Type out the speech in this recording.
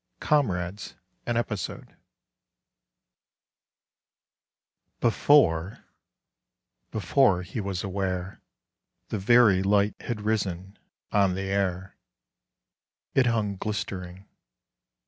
COMRADES: AN EPISODE Before, before he was aware The 'Verey' light had risen ... on the air It hung glistering....